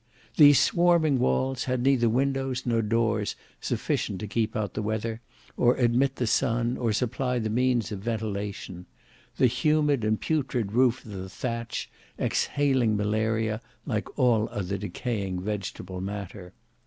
These swarming walls had neither windows nor doors sufficient to keep out the weather, or admit the sun or supply the means of ventilation; the humid and putrid roof of thatch exhaling malaria like all other decaying vegetable matter.